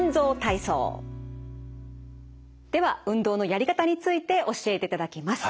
では運動のやり方について教えていただきます。